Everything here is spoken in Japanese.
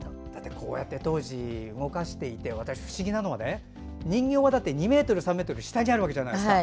こうやって当時動かしていて私、不思議なのはね人形は２ｍ、３ｍ下にあるわけじゃないですか。